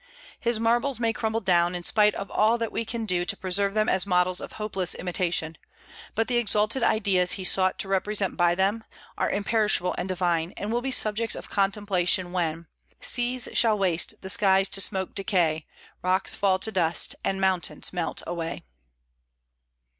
His marbles may crumble down, in spite of all that we can do to preserve them as models of hopeless imitation; but the exalted ideas he sought to represent by them, are imperishable and divine, and will be subjects of contemplation when "Seas shall waste, the skies to smoke decay, Rocks fall to dust, and mountains melt away."